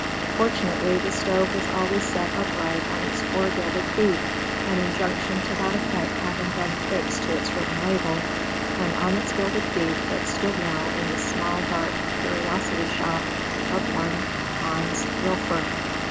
Fortunately, the stove was always set upright on its four gilded feet, an injunction to that effect having been affixed to its written label, and on its gilded feet it stood now in the small dark curiosity shop of one Hans Rhilfer.